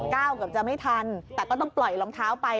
เกือบจะไม่ทันแต่ก็ต้องปล่อยรองเท้าไป